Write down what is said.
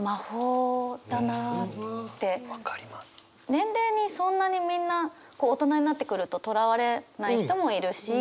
年齢にそんなにみんな大人になってくるととらわれない人もいるし。